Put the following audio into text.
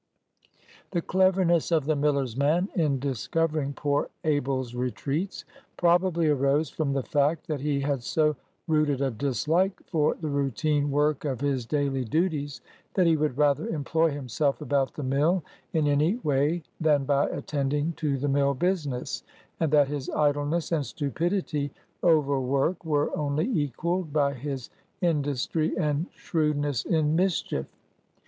The cleverness of the miller's man in discovering poor Abel's retreats probably arose from the fact that he had so rooted a dislike for the routine work of his daily duties that he would rather employ himself about the mill in any way than by attending to the mill business, and that his idleness and stupidity over work were only equalled by his industry and shrewdness in mischief.